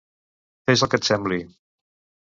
Fes el que et sembli.